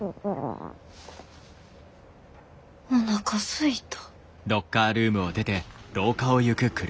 おなかすいた。